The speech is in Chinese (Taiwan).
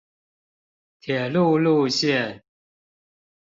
鐵路路線